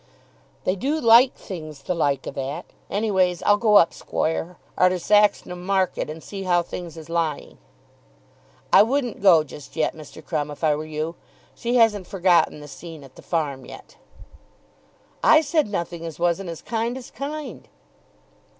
"They do like things the like o' that; any ways I'll go up, squoire, arter Sax'nam market, and see how things is lying." "I wouldn't go just yet, Mr. Crumb, if I were you. She hasn't forgotten the scene at the farm yet." "I said nothing as warn't as kind as kind."